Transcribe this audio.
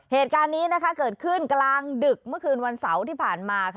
เหตุการณ์นี้เกิดขึ้นกลางดึกเมื่อคืนวันเสาร์ที่ผ่านมาค่ะ